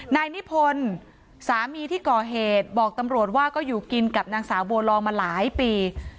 นายนิพนธ์สามีที่ก่อเหตุบอกตำรวจว่าก็อยู่กินกับนางสาวบัวลองมาหลายปี